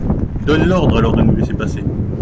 Donne l'ordre alors de nous laisser passer.